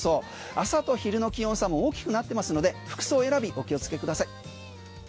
朝と昼の気温差も大きくなってますので服装選び、お気をつけください。